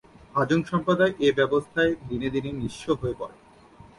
হাজং সম্প্রদায় এ ব্যাবস্থায় দিনে দিনে নিঃস্ব হয়ে পরে।